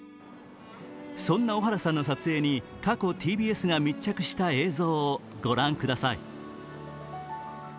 そんな小原さんの撮影に、過去ＴＢＳが密着した映像を御覧ください。